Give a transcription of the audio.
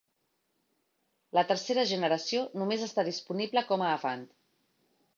La tercera generació només està disponible com a "Avant".